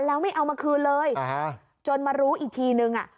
แล้วไม่เอามาคืนเลยจนมารู้อีกทีนึงอ่ะ